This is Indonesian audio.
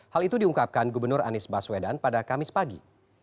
hal itu diungkapkan gubernur anies baswedan pada kamis pagi